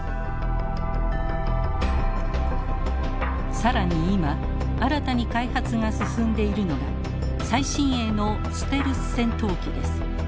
更に今新たに開発が進んでいるのが最新鋭のステルス戦闘機です。